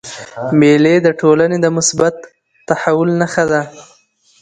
مېلې د ټولني د مثبت تحول نخښه ده.